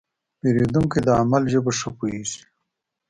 پیرودونکی د عمل ژبه ښه پوهېږي.